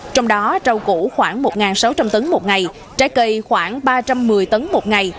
trong đó rau củ khoảng một sáu trăm linh tấn một ngày trái cây khoảng ba trăm một mươi tấn một ngày